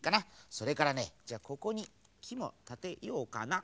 それからねじゃあここにきもたてようかな。